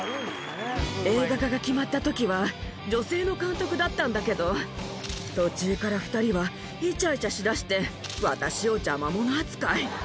映画化が決まったときは、女性の監督だったんだけど、途中から２人はいちゃいちゃしだして、私を邪魔者扱い。